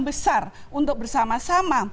besar untuk bersama sama